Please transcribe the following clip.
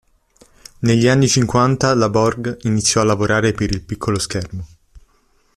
Negli anni cinquanta la Borg iniziò a lavorare per il piccolo schermo.